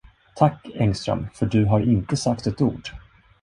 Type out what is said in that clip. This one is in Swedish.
Tack, Engström, för du har inte sagt ett ord.